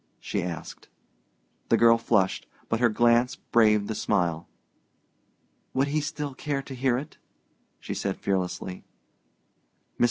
she asked. The girl flushed, but her glance braved the smile. "Would he still care to hear it?" she said fearlessly. Mrs.